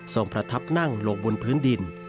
พระทับนั่งลงบนพื้นดิน